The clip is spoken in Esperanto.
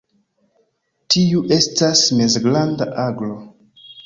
Tiu estas mezgranda aglo.